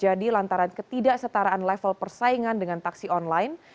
terjadi lantaran ketidaksetaraan level persaingan dengan taksi online